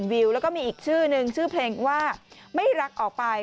วิวแล้วก็มีอีกชื่อนึงชื่อเพลงว่าไม่รักออกไป